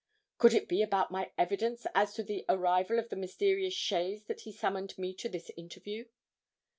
Could it be about my evidence as to the arrival of the mysterious chaise that he summoned me to this interview?